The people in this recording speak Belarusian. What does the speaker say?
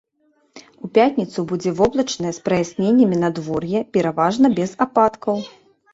У пятніцу будзе воблачнае з праясненнямі надвор'е, пераважна без ападкаў.